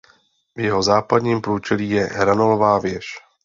V jeho západním průčelí je hranolová věž.